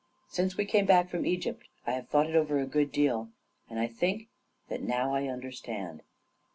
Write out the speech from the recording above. Since we came back from Egypt, I have thought it over a good deal, and I think that now I understand